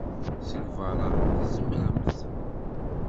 Seg beṛṛa, tzemremt.